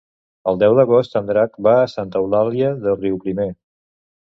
El deu d'agost en Drac va a Santa Eulàlia de Riuprimer.